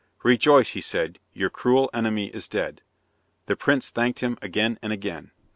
"Rejoice," he said, "your cruel enemy is dead." The prince thanked him again and again.